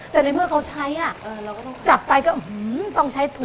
แต่ในเมื่อเขาใช้อ่ะเออเราก็ต้องจับไปก็อื้อหือต้องใช้ถูกอ่ะ